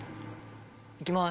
いきます。